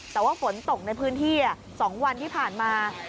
แต่ว่าฝนตกในพื้นที่๒วันที่ผ่านมา